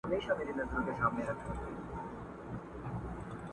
په قهر ورکتلي له لومړۍ ورځي اسمان!.